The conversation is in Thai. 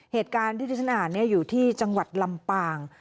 เหตุการณ์ที่ที่ฉันอ่านอยู่ที่จังหวัดลำปาง